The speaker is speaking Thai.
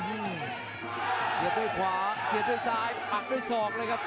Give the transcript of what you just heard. ประเภทมัยยังอย่างปักส่วนขวา